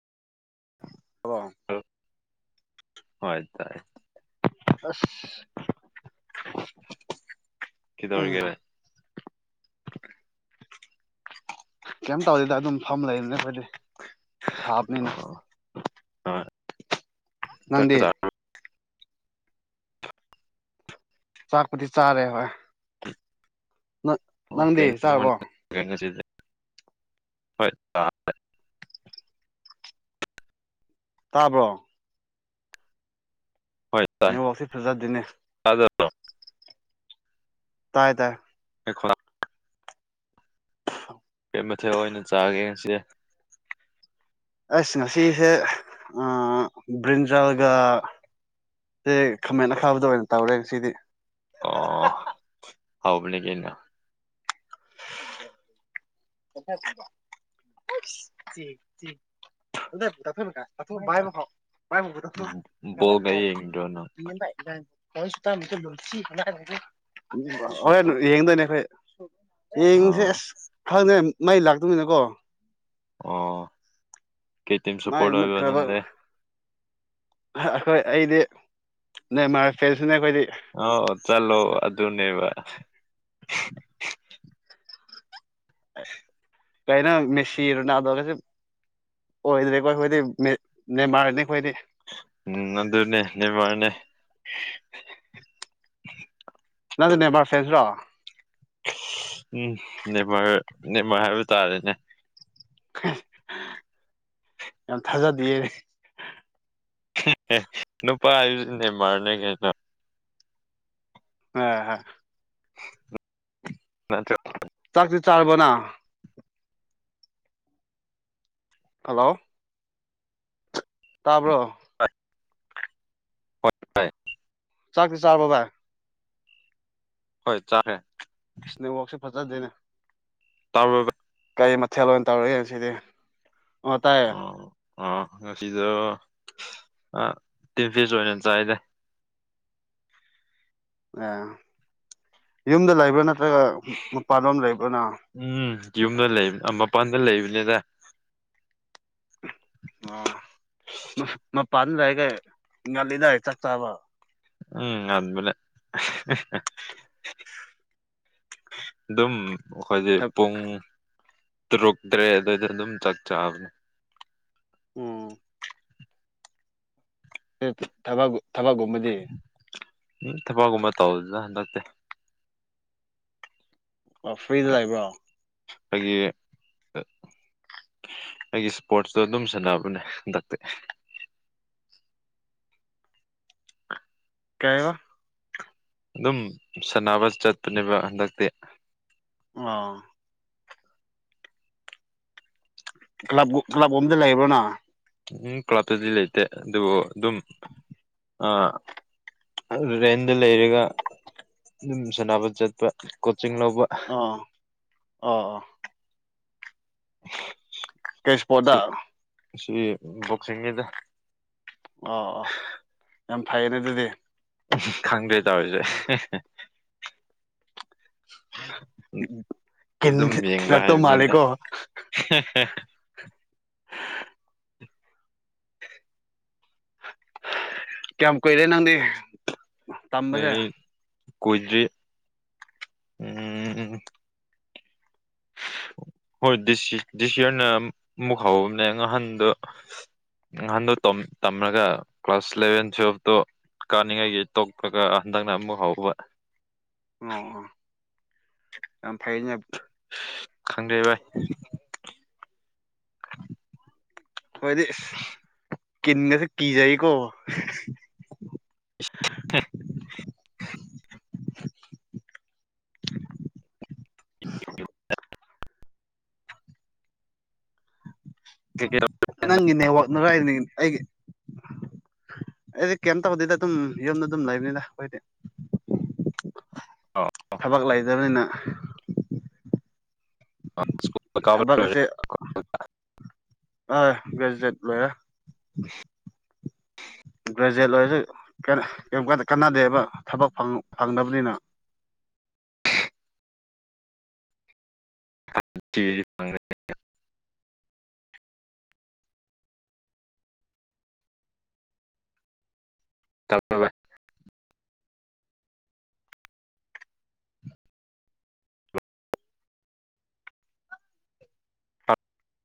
[unintelligible] ꯍꯣꯏ ꯇꯥꯏ ꯑꯁ ꯎꯝ ꯀꯤꯗꯧꯔꯤꯒꯦ ꯕꯥꯏ ꯀꯩꯝ ꯇꯧꯗꯦꯗ ꯑꯗꯨꯝ ꯐꯝ ꯂꯩꯕꯅꯦ ꯑꯩꯈꯣꯏꯗꯤ ꯁꯥꯕꯅꯤꯅ ꯑꯣ ꯍꯣꯏ ꯆꯥꯛꯀ ꯅꯪꯗꯤ ꯆꯥꯔꯕꯣ ꯆꯥꯛꯄꯨꯗꯤ ꯆꯥꯔꯦ ꯍꯣꯏ ꯅꯠ [unintelligible] ꯍꯣꯏꯠ ꯑ ꯇꯥꯕ꯭ꯔꯣ ꯅꯦꯋꯥꯛꯁꯤ ꯐꯖꯗꯤꯅꯦ ꯇꯥꯗ [unintelligible] ꯇꯥꯏ ꯇꯥꯏ ꯑꯩ [unintelligible] [unintelligible] ꯑꯩ ꯃꯊꯦꯜ ꯑꯣꯏꯅ ꯆꯥꯒꯦ ꯉꯁꯤ ꯑꯁ ꯉꯁꯤꯁꯦ ꯑ ꯕ꯭ꯔꯤꯟꯖꯜꯒ ꯑꯦ ꯈꯃꯦꯟ ꯑꯈꯥꯕꯗꯣ ꯑꯣꯏꯅ ꯇꯧꯔꯦ ꯉꯁꯤꯗꯤ ꯑꯣ ꯍꯥꯎꯕꯅꯤ ꯀꯩꯅꯣ [unintelligible] [unintelligible] ꯥ ꯕꯣꯜꯒ ꯌꯦꯡꯗ꯭ꯔꯣ ꯅꯪ [unintelligible] [unintelligible] ꯍꯣꯔꯦꯟ ꯌꯦꯡꯗꯣꯏꯅꯦ ꯑꯩꯈꯣꯏ ꯌꯦꯡꯁꯦ ꯑꯥ ꯑꯁ ꯈꯪꯗꯦ ꯃꯩ ꯂꯥꯛꯇꯕꯅꯤꯅꯀꯣ ꯑꯣ ꯀꯩ ꯇꯤꯝ ꯃꯥꯏ ꯁꯞꯄꯣꯔꯠ ꯑꯣꯏꯕ ꯅꯪꯗꯦ ꯑꯈꯣꯏ ꯑꯩꯗꯤ ꯅꯦꯃꯥꯔ ꯐꯦꯟꯁꯤꯅꯦ ꯑꯈꯣꯏꯗꯤ ꯑꯥꯎ ꯆꯠꯂꯣ ꯑꯗꯨꯅꯦꯕ ꯀꯩꯅꯣ ꯃꯦꯁꯤ ꯔꯣꯅꯥꯜꯗꯣꯒꯖꯨ ꯑꯣꯏꯗ꯭ꯔꯦꯕ ꯑꯩꯈꯣꯏꯗꯤ ꯃꯦ ꯅꯦꯃꯥꯔꯅꯤ ꯑꯩꯈꯣꯏꯗꯤ ꯎꯝ ꯅꯗꯨꯅꯦ ꯅꯦꯃꯥꯔꯅꯦ ꯅꯪꯖꯨ ꯅꯦꯃꯥꯔ ꯐꯦꯟꯁꯔꯣ ꯎꯝ ꯅꯦꯕ꯭ꯔ ꯅꯦꯝꯃꯥꯔ ꯍꯥꯏꯕ ꯇꯥꯔꯦꯅꯦ ꯌꯥꯝ ꯊꯥꯖꯗꯤꯌꯦ ꯅꯨꯄꯥ ꯍꯥꯏꯕꯖꯤꯗꯤ ꯅꯦꯃꯥꯔꯗ ꯀꯩꯅꯣ [unintelligible] [unintelligible] ꯆꯥꯛꯇꯤ ꯆꯥꯔꯕꯣ ꯅꯪ ꯍꯥꯂꯣ ꯇꯥꯕ꯭ꯔꯣ [inaudible] ꯆꯥꯛꯇꯤ ꯆꯥꯔꯕꯣ ꯚꯥꯏ ꯍꯣꯏ ꯆꯥꯔꯦ ꯅꯦꯋꯥꯥꯛꯁꯦ ꯐꯖꯗꯦꯅꯦ ꯇꯥꯕ꯭ꯔꯣ ꯚꯥꯏ ꯀꯔꯤ ꯃꯊꯦꯜ ꯑꯣꯏꯅ ꯇꯧꯔꯒꯦ ꯉꯁꯤꯗꯤ ꯑꯣ ꯇꯥꯏꯌꯦ ꯑꯣ ꯑꯣ ꯉꯁꯤꯗꯣ ꯑꯥ ꯇꯤꯟ ꯐꯤꯁ ꯑꯣꯏꯅ ꯆꯥꯏꯗ ꯑꯥ ꯌꯨꯝꯗ ꯂꯩꯕ꯭ꯔꯥ ꯅꯠꯇ꯭ꯔꯒ ꯃꯄꯥꯟꯂꯣꯝ ꯂꯩꯕ꯭ꯔꯣ ꯅꯪ ꯎꯝ ꯌꯨꯝꯗ ꯂꯩ ꯃꯄꯥꯟꯗ ꯂꯩꯕꯅꯤꯗ ꯑꯥ ꯃꯄꯥꯟꯂꯩꯔꯒ ꯉꯜꯂꯤꯗ ꯆꯥꯛ ꯆꯥꯕ ꯎꯝ ꯉꯟꯕꯅꯦ [unintelligible] ꯑꯗꯨꯝ ꯑꯩꯈꯣꯏꯗꯤ ꯄꯨꯡ ꯇꯔꯨꯛ ꯇꯔꯦꯠ ꯑꯗꯨꯋꯥꯏꯗ ꯑꯗꯨꯝ ꯆꯥꯛ ꯆꯥꯕꯅꯦ ꯑꯣ ꯊꯕꯛ ꯊꯕꯛ ꯀꯨꯝꯕꯗꯤ ꯎꯝ ꯊꯕꯛꯀꯨꯝꯕ ꯇꯧꯗꯦꯗ ꯍꯟꯗꯛꯇꯤ ꯑꯣ ꯐ꯭ꯔꯤꯗ ꯂꯩꯕ꯭ꯔꯣ ꯂꯩꯌꯦ ꯑꯥ ꯑꯩ ꯏꯁꯄꯣꯔꯠꯁ ꯇ ꯗꯨꯝ ꯁꯥꯟꯅꯕꯅꯦ ꯍꯟꯗꯛꯇꯤ ꯀꯩꯕ ꯑꯗꯨꯝ ꯁꯥꯟꯅꯕ ꯆꯠꯄꯅꯦꯕ ꯍꯟꯗꯛꯇꯤ ꯑꯣ ꯀ꯭ꯂꯕꯒꯨ ꯀ꯭ꯂꯕ ꯒꯨꯝꯗ ꯂꯩꯕ꯭ꯔꯣ ꯅꯪ ꯎꯝ ꯀ꯭ꯂꯞꯇꯗꯤ ꯂꯩꯇꯦ ꯑꯗꯨꯕꯨ ꯑꯗꯨꯝ ꯑꯥ ꯔꯦꯟꯗ ꯂꯩꯔꯒ ꯑꯗꯨꯝ ꯁꯥꯟꯅꯕ ꯆꯠꯄ ꯀꯣꯆꯤꯡ ꯂꯧꯕ ꯑꯥ ꯑꯣ ꯑꯣ ꯀꯩ ꯏꯁꯄꯣꯔ꯭ꯠꯇꯥ ꯑꯁꯤ ꯕꯣꯛꯁꯤꯡꯅꯤꯗ ꯑꯣ ꯑꯣ ꯌꯥꯝ ꯐꯩꯌꯦꯅꯦ ꯑꯗꯨꯗꯤ ꯈꯪꯗꯦ ꯇꯧꯔꯤꯖꯦ ꯀꯤꯟ ꯑꯗꯨꯝ ꯌꯦꯡꯕ ꯊꯤꯜꯂꯛꯇꯧ ꯍꯥꯏꯕꯗꯨꯅꯦ ꯃꯥꯜꯂꯦꯀꯣ [unintelligible] ꯀꯌꯥꯝ ꯀꯨꯏꯔꯦ ꯅꯪꯗꯤ ꯇꯝꯕꯁꯦ ꯑꯣ ꯀꯨꯏ ꯀꯨꯏꯗꯔꯤ ꯍꯣꯏ ꯗꯤꯁꯤ ꯗꯤꯁꯤ ꯍꯣꯏꯅ ꯃꯨꯛ ꯍꯥꯎꯕꯅꯦ ꯉꯥꯍꯟꯗꯨ ꯉꯥꯍꯟꯗꯣ ꯇꯣꯝ ꯇꯝꯂꯒ ꯀ꯭ꯂꯥꯁ ꯏꯂꯚꯦꯟ ꯇꯨꯋꯦꯜꯚ ꯇꯣ ꯀꯥꯅꯤꯡꯉꯩꯒꯤ ꯇꯣꯛꯈꯔꯒ ꯍꯟꯗꯛꯅ ꯑꯃꯨꯛ ꯍꯧꯕ ꯑꯣ ꯌꯥꯝ ꯐꯩꯅꯦ [unintelligible] ꯈꯪꯗꯦ ꯚꯥꯏ꯫ ꯑꯈꯣꯏꯗꯤ ꯀꯤꯟꯒꯖꯦ ꯀꯤꯖꯩꯀꯣ꯫ [unintelligible] [inaudible] ꯀꯦꯀꯦꯔꯧ ꯅꯪꯒꯤ ꯅꯦꯠꯋꯥꯛꯅꯔ ꯑꯩꯅꯒꯤ ꯑꯩꯒꯤ ꯑꯩꯗꯤ ꯀꯩꯝ ꯇꯧꯗꯦꯗ ꯗꯨꯝ ꯌꯨꯝꯗ ꯗꯨꯝ ꯂꯩꯕꯅꯤꯗ ꯈꯣꯏꯗꯤ ꯇꯧ ꯊꯕꯛ ꯂꯩꯗꯝꯅꯤꯅ ꯁ꯭ꯀꯨꯜ ꯀꯥꯕ ꯊꯕꯛ ꯂꯣꯏꯔꯦ ꯑꯁꯦ ꯑꯥ ꯒ꯭ꯔꯦꯖꯨꯋꯦꯠ ꯂꯣꯏꯔꯦ ꯒ꯭ꯔꯦꯖ꯭ꯋꯦꯠ ꯂꯣꯏꯔꯖꯨ ꯀꯅ ꯀꯩꯝ ꯀꯥꯟ ꯀꯥꯟꯅꯗꯦꯕ ꯊꯕꯛ ꯐꯪ ꯐꯪꯗꯝꯅꯤꯅ ꯇꯤꯔꯤ ꯐꯪꯒ꯭ꯔꯦ ꯇꯧ [unintelligible] ꯔꯣ ꯕꯥꯏ